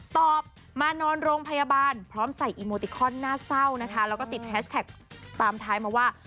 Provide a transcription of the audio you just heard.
ตอบมานอนโรงพยาบาลพร้อมใส่อีโมติคอนน่าเศร้านะคะแล้วก็ติดแฮชแท็กตามท้ายมาว่า